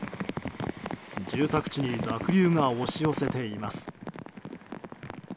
住宅地に濁流が押し寄せています。